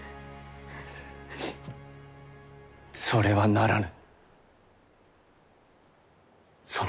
それはならぬ。